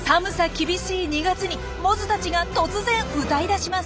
厳しい２月にモズたちが突然歌い出します。